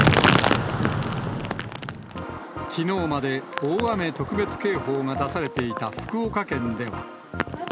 きのうまで大雨特別警報が出されていた福岡県では。